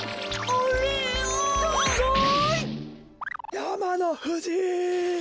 やまのふじ！